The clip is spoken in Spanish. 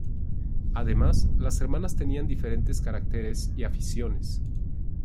Además, las hermanas tenían diferentes caracteres y aficiones.